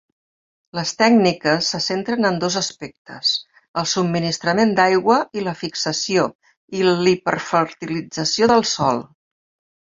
Les tècniques se centren en dos aspectes: el subministrament d'aigua i la fixació i l'hiperfertilització del sòl.